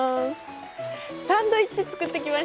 サンドイッチ作ってきました！